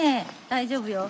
大丈夫よ。